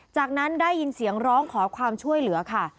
จากนั้นได้ยินเสียงร้องขอความช่วยเหลือค่ะ